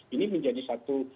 ini menjadi satu